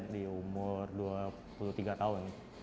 di umur dua puluh tiga tahun